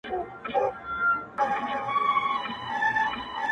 ځکه خو پوهه ترلاسه کول